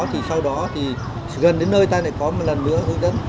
thì sau đó thì gần đến nơi ta lại có một lần nữa hướng dẫn